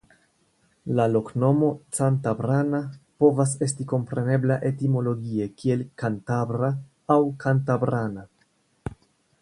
La loknomo "Cantabrana" povas esti komprenebla etimologie kiel "Kantabra" aŭ "Kantabrana".